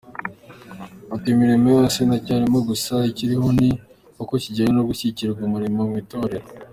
Ati “Imirimo yose ndacyayirimo gusa ikiriho ni uko njyanywe no gushyigikira umurimo mu itorero.